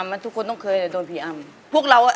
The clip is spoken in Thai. ใช่ครับเมื่อที่เราไปพักไง